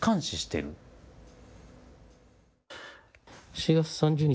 ４月３０日